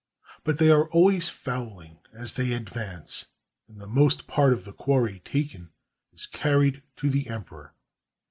But they are always fowling as they advance, and the most part of the quarry taken is carried to the emperor.